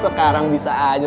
sekarang bisa aja